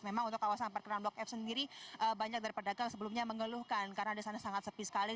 memang untuk kawasan perkenan blok f sendiri banyak dari pedagang sebelumnya mengeluhkan karena di sana sangat sepi sekali